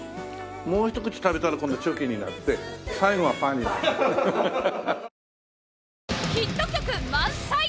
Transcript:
もうひと口食べたら今度はチョキになって最後はパーになる。